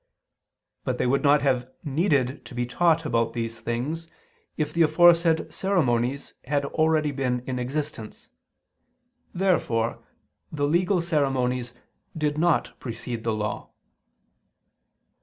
But they would not have needed to be taught about these things, if the aforesaid ceremonies had been already in existence. Therefore the legal ceremonies did not precede the Law.